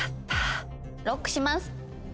ＬＯＣＫします。